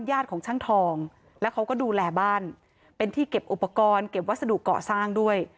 ของช่างทองแล้วเขาก็ดูแลบ้านเป็นที่เก็บอุปกรณ์เก็บวัสดุเกาะสร้างด้วย